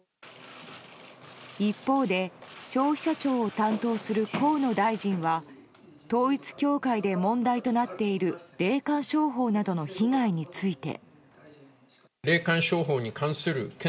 一方で、消費者庁を担当する河野大臣は統一教会で問題となっている霊感商法などの被害について。